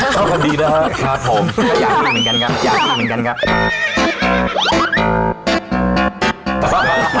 นะครับ